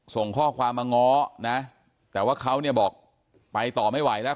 ส่งข้อความมาง้อนะแต่ว่าเขาเนี่ยบอกไปต่อไม่ไหวแล้ว